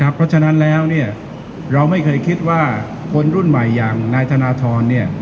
เพราะฉะนั้นแล้วเนี่ยเราไม่เคยคิดว่าคนรุ่นใหม่อย่างนายธนทร